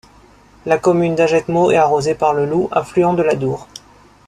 La commune d'Hagetmau est arrosée par le Louts, affluent de l'Adour.